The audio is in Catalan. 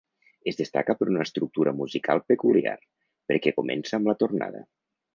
Es destaca per una estructura musical peculiar, perquè comença amb la tornada.